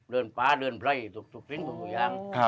เดินปลาเดินไพรทุกคริ่งทุกอย่าง